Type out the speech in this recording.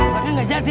bagaimana gak jadi